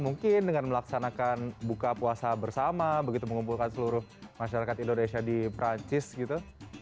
mungkin dengan melaksanakan buka puasa bersama begitu mengumpulkan seluruh masyarakat indonesia di perancis gitu